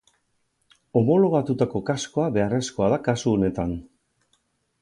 Homologatutako kaskoa beharrezkoa da kasu honetan.